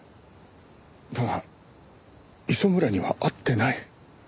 だが磯村には会ってない。